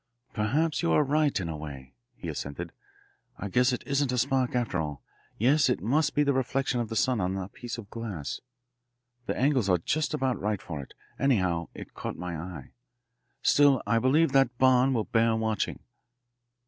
"Perhaps you are right, in a way," he assented. "I guess it isn't a spark, after all. Yes, it must be the reflection of the sun on a piece of glass the angles are just about right for it. Anyhow it caught my eye. Still, I believe that barn will bear watching."